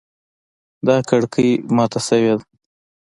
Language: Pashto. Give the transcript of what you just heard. دا کړکۍ ماته شوې ده